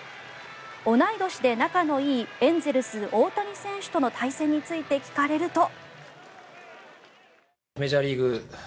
同い年で仲のいいエンゼルス、大谷選手との対戦について聞かれると。